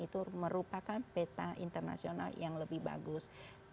itu merupakan peta internasional yang lebih bagus